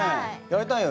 やりたい！